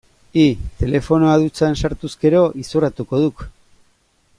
Hi, telefonoa dutxan sartuz gero, izorratuko duk.